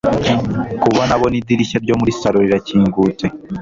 kubona abona idirishya ryo muri salon rirakingutse